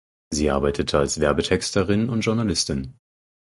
Sie arbeitete als Werbetexterin und Journalistin.